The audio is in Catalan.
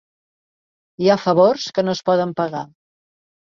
Hi ha favors que no es poden pagar.